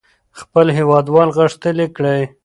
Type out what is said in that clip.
خپل هېوادوال غښتلي کړئ.